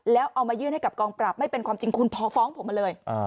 แล้วเอามายื่นให้กับกองปราบไม่เป็นความจริงคุณพอฟ้องผมมาเลย